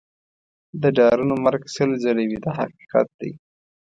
د ډارنو مرګ سل ځله وي دا حقیقت دی.